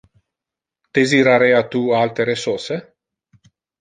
Desirarea tu altere sauce?